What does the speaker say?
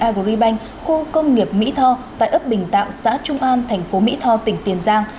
agribank khu công nghiệp mỹ tho tại ấp bình tạo xã trung an tp mỹ tho tỉnh tiền giang